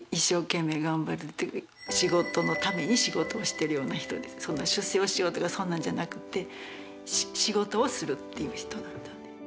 仕事のために仕事をしてるような人でそんな出世をしようとかそんなんじゃなくて仕事をするっていう人だった。